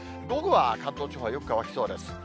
午後は関東地方はよく乾きそうです。